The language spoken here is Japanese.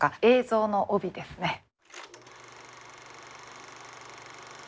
映像の帯ですね。